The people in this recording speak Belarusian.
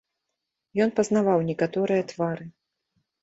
Ён пазнаваў некаторыя твары.